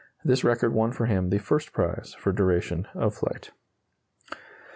(This record won for him the first prize for duration of flight.)